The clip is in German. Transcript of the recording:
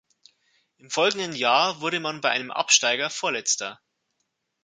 Im folgenden Jahr wurde man bei einem Absteiger Vorletzter.